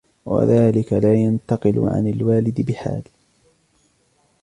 وَذَلِكَ لَا يَنْتَقِلُ عَنْ الْوَالِدِ بِحَالٍ